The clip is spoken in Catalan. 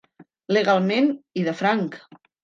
Legalment i de franc.